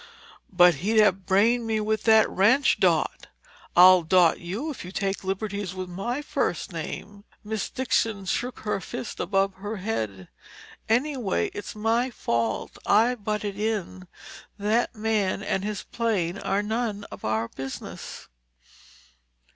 "But he'd have brained me with that wrench, Dot—" "I'll 'Dot' you if you take liberties with my first name!" Miss Dixon shook her fist above her head, "Anyway, it's my fault. I butted in. That man and his plane are none of our business."